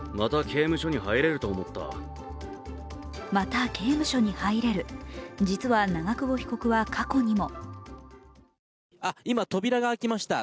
また刑務所に入れる、実は長久保被告は過去にもあ、今、扉が開きました。